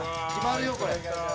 決まるよこれ。